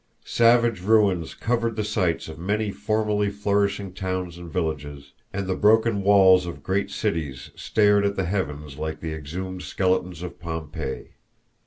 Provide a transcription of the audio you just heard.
Savage ruins covered the sites of many formerly flourishing towns and villages, and the broken walls of great cities stared at the heavens like the exhumed skeletons of Pompeii.